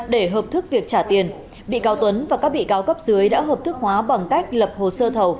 để hợp thức việc trả tiền bị cáo tuấn và các bị cáo cấp dưới đã hợp thức hóa bằng cách lập hồ sơ thầu